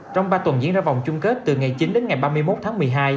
trong ba tuần diễn ra vòng chung kết từ ngày chín đến ngày ba mươi một tháng một mươi hai